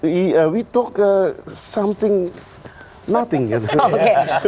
kita berbicara tentang sesuatu yang tidak ada